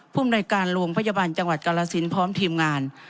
ภูมิในการโรงพยาบาลจังหวัดกรสินพร้อมทีมงาน